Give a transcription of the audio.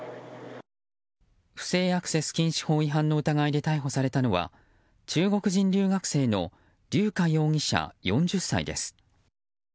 不正アクセス禁止法違反の疑いで逮捕されたのは中国人留学生のリュウ・カ容疑者、４０歳です。